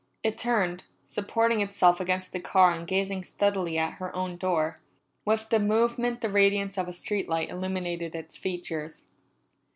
It turned, supporting itself against the car and gazing steadily at her own door. With the movement the radiance of a street light illuminated its features.